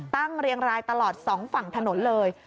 เรียงรายตลอด๒ฝั่งถนนเลย